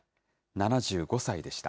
７５歳でした。